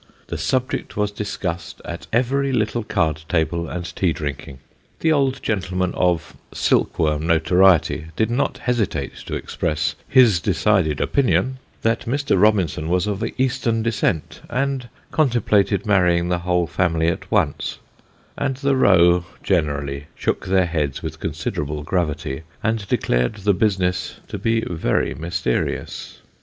The subject was discussed at every little card table and tea drinking. The old gentleman of silkworm notoriety did not hesitate to express his decided opinion that Mr. Robinson was of Eastern descent, and contemplated marrying the whole family at once ; and the row, generally, shook their heads with considerable gravity, and declared the business to be very mysterious.